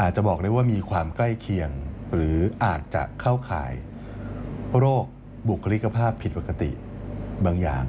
อาจจะบอกได้ว่ามีความใกล้เคียงหรืออาจจะเข้าข่ายโรคบุคลิกภาพผิดปกติบางอย่าง